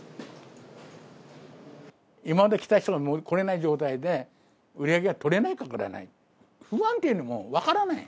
今まで来た人が来れない状態で、売り上げが取れないかもしれない。